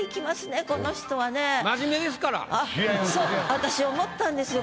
私思ったんですよ。